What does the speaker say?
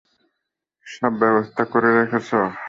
সব ব্যবস্থা করে রেখেছো?